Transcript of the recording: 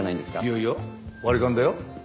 いやいや割り勘だよ。